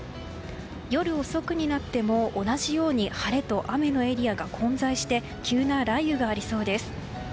夜遅くになっても同じように晴れと雨のエリアが混在して急な雷雨がありそうです。